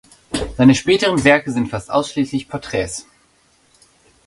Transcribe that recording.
Seine späteren Werke sind fast ausschließlich Porträts.